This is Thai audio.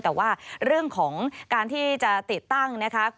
แต่ว่าเรื่องของการที่จะติดตั้งนะคะ